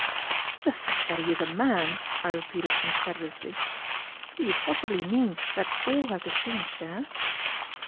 "The fact that he is a man!" I repeated, incredulously. "Do you possibly mean that all have the same share?"